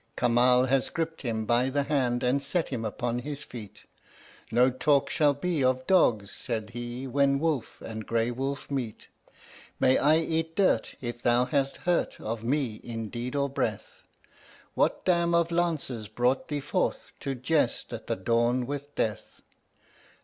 Kamal has gripped him by the hand and set him upon his feet. "No talk shall be of dogs," said he, "when wolf and gray wolf meet. "May I eat dirt if thou hast hurt of me in deed or breath; What dam of lances brought thee forth to jest at the dawn with Death?"